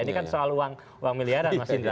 ini kan soal uang miliaran mas indra